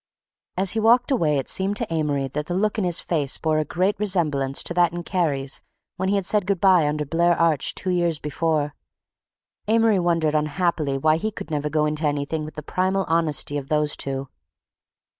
As he walked away it seemed to Amory that the look in his face bore a great resemblance to that in Kerry's when he had said good by under Blair Arch two years before. Amory wondered unhappily why he could never go into anything with the primal honesty of those two.